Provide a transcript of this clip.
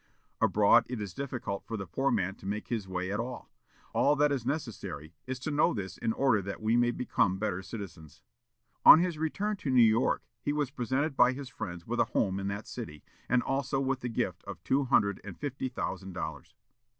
Abroad it is difficult for the poor man to make his way at all. All that is necessary is to know this in order that we may become better citizens." On his return to New York, he was presented by his friends with a home in that city, and also with the gift of two hundred and fifty thousand dollars.